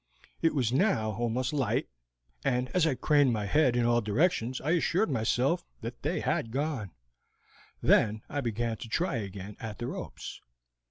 It was now almost light, and as I craned my head in all directions I assured myself that they had gone; then I began to try again at the ropes.